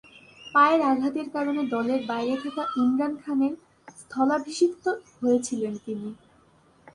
পায়ের আঘাতের কারণে দলের বাইরে থাকা ইমরান খানের স্থলাভিষিক্ত হয়েছিলেন তিনি।